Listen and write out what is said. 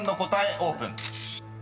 オープン］